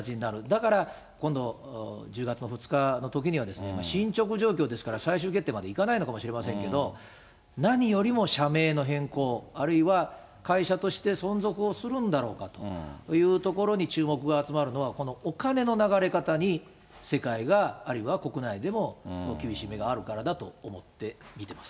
だから、今度、１０月の２日のときには進捗状況ですから、最終決定までいかないのかもしれませんけど、何よりも社名の変更、あるいは会社として存続をするんだろうかというところに注目が集まるのは、このお金の流れ方に世界が、あるいは国内でも厳しい目があるからだと思って見てます。